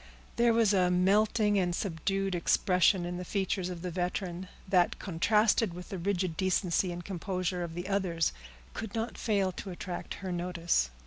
There was a melting and subdued expression in the features of the veteran, that, contrasted with the rigid decency and composure of the others, could not fail to attract her notice.